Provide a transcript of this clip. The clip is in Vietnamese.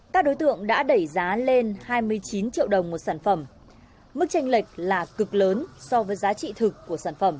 các đối tượng đã đẩy giá lên hai mươi chín triệu đồng một sản phẩm mức tranh lệch là cực lớn so với giá trị thực của sản phẩm